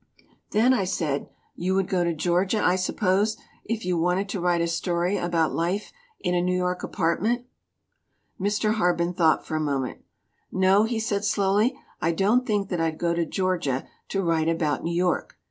"Then," I said, "you would go to Georgia, I suppose, if you wanted to write a story about life in a New York apartment?" Mr. Harben thought for a moment. "No," he said, slowly, "I don't think that I'd go to Georgia to write about New York.